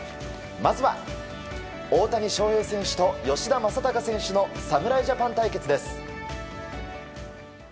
まずは、大谷翔平選手と吉田正尚選手の侍ジャパン対決です。